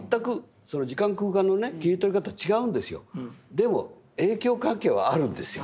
でも影響関係はあるんですよ。